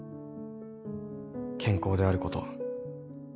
健康であること。